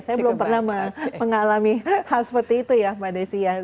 saya belum pernah mengalami hal seperti itu ya mbak desi ya